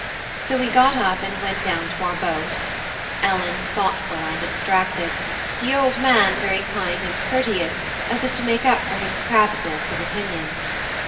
So we got up and went down to our boat Ellen thoughtful and abstracted; the old man very kind and courteous, as if to make up for his crabbedness of opinion.